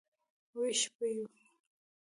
وېښ به یو.